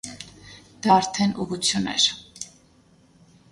Դա արդեն ուղղություն էր։